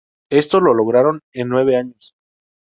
Esto lo lograron en nueve años.